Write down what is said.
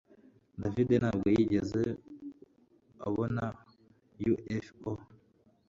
David ntabwo yigeze abona UFO